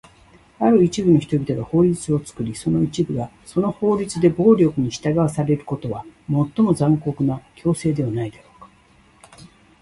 ある一部の人々が法律を作り、別の一部がその法律に暴力で従わされることは、最も残酷な強制ではないだろうか？